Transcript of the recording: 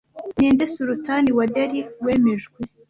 Ninde Sultan wa Delhi wemejwe